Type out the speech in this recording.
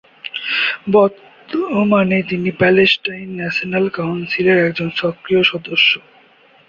বর্তমানে তিনি "Palestine national কাউন্সিলের" একজন সক্রিয় সদস্য।